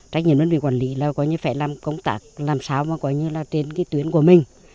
trách nhiệm của quản lý là phải làm công tác làm sao mà trên tuyến của mình